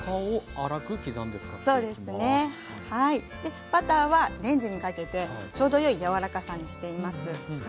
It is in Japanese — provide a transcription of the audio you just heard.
はいでバターはレンジにかけてちょうど良い柔らかさにしています。